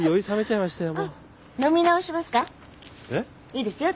いいですよ。